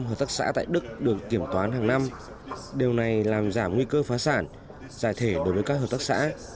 hợp tác xã tại đức được kiểm toán hàng năm điều này làm giảm nguy cơ phá sản giải thể đối với các hợp tác xã